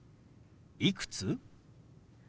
「いくつ？」。